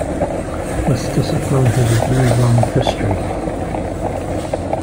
This discipline has a very long history.